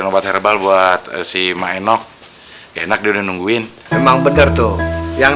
paku paku dicabutin dong